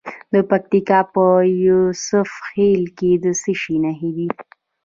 د پکتیکا په یوسف خیل کې د څه شي نښې دي؟